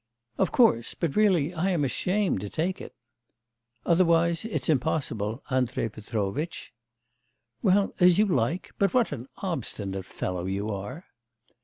'Of course; but really I am ashamed to take it.' 'Otherwise it's impossible, Andrei Petrovitch.' 'Well, as you like; but what an obstinate fellow you are!